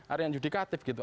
area yang judikatif gitu